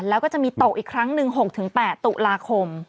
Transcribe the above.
แล้วก็จะมีตกอีกครั้งหนึ่ง๖๘ตุลาคม